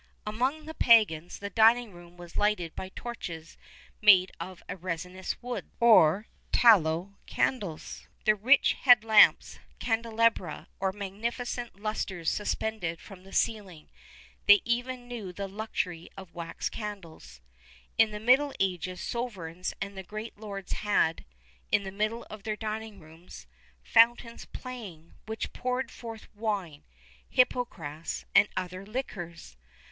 [XXXI 28] Among the pagans, the dining room was lighted by torches made of a resinous wood,[XXXI 29] or tallow candles.[XXXI 30] The rich had lamps, candelabra,[XXXI 31] or magnificent lustres suspended from the ceiling.[XXXI 32] They even knew the luxury of wax candles.[XXXI 33] In the middle ages, the sovereigns and the great lords had, in the middle of their dining rooms, fountains playing, which poured fourth wine, hippocrass, and other liquors.